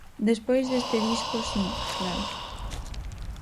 Despois deste disco si, claro.